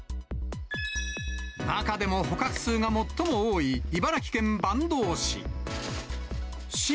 中でも、捕獲数が最も多い茨城県坂東市。